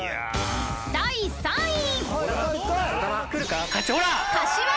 ［第３位］